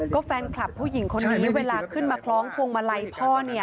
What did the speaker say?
ก็แฟนคลับผู้หญิงคนนี้เวลาขึ้นมาคล้องพวงมาลัยพ่อเนี่ย